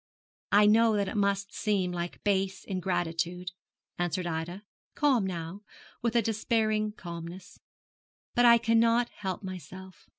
'I know that it must seem like base ingratitude,' answered Ida, calm now, with a despairing calmness; 'but I cannot help myself.